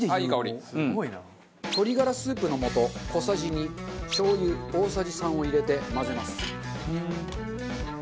鶏がらスープの素小さじ２しょう油大さじ３を入れて混ぜます。